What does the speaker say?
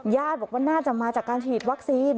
ญาติบอกว่าน่าจะมาจากการฉีดวัคซีน